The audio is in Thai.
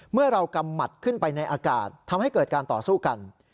เมื่อเรากำหมัดขึ้นไปในอากาศทำให้เกิดการต่อสู้กัน